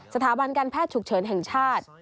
สถาบันการแพทย์ฉุกเฉินแห่งชาติ